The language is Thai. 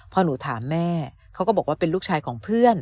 พอหนูถามแม่เขาก็บอกว่าเป็นลูกชายของเพื่อน